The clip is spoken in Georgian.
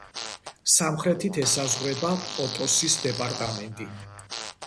სამხრეთით ესაზღვრება პოტოსის დეპარტამენტი.